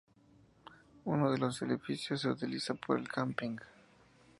Uno de los edificios se utiliza por el camping.